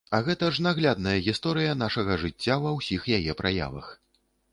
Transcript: А гэта ж наглядная гісторыя нашага жыцця ва ўсіх яе праявах!